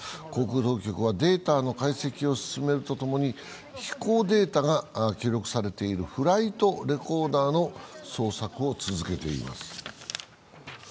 航空当局はデータの解析を進めるとともに、飛行データが記録されているフライトレコーダーの捜索を続けています。